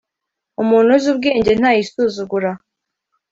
umuntu uzi ubwenge ntayisuzugura.